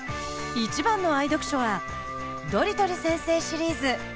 一番の愛読書は「ドリトル先生シリーズ」。